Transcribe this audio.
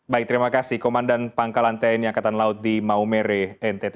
baik terima kasih komandan pangkalantai yang katan laut di maumere ntt